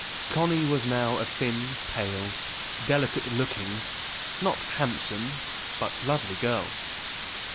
Connie was now a thin, pale, delicate looking not handsome, but lovely girl.